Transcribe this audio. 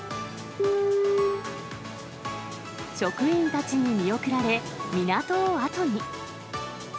職員たちに見送られ、港を後に。